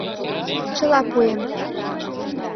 Чыла пуэм.